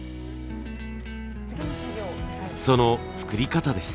その作り方です。